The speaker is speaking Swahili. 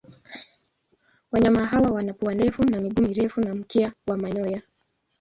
Wanyama hawa wana pua ndefu na miguu mirefu na mkia wa manyoya.